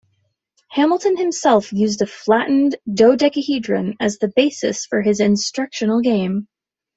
Hamilton himself used a flattened dodecahedron as the basis for his instructional game.